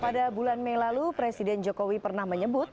pada bulan mei lalu presiden jokowi pernah menyebut